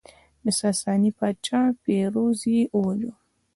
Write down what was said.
د ساساني پاچا پیروز یې وواژه